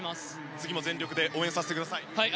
次も全力で応援させてください。